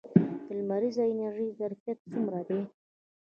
د لمریزې انرژۍ ظرفیت څومره دی؟